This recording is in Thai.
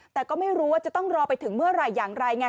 แต่ก็ไม่รู้ว่าจะต้องรอไปถึงเมื่อไหร่อย่างไรไง